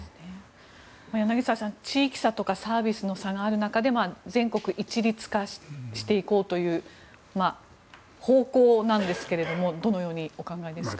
柳澤さん、地域差とかサービスの差がある中で全国一律化していこうという方向なんですけれどもどのようにお考えですか。